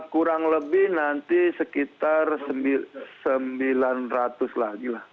kurang lebih nanti sekitar sembilan ratus lagi lah